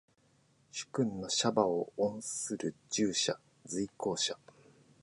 主君の車馬を御する従者。随行者。